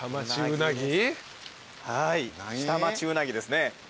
はい下町うなぎですね。